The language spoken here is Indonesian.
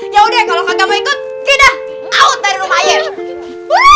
yaudah kalau kagak mau ikut kita out dari rumahnya